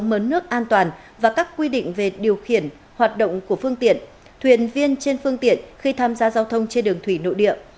mớn nước an toàn và các quy định về điều khiển hoạt động của phương tiện thuyền viên trên phương tiện khi tham gia giao thông trên đường thủy nội địa